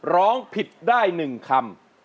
ร้องผิดได้๑คำ